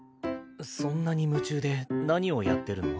そんなに夢中で何をやってるの？